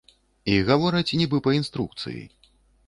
І гавораць нібы па інструкцыі.